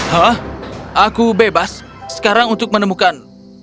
hah aku bebas sekarang untuk menemukan